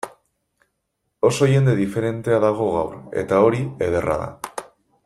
Oso jende diferentea dago gaur, eta hori ederra da.